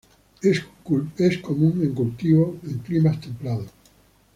Es común en cultivo en climas templados.